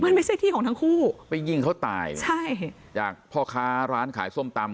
มันไม่ใช่ที่ของทั้งคู่ไปยิงเขาตายนะใช่จากพ่อค้าร้านขายส้มตำ